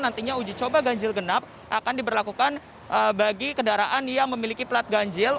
nantinya uji coba ganjil genap akan diberlakukan bagi kendaraan yang memiliki plat ganjil